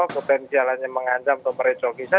kebencian lainnya mengancam atau merecokisah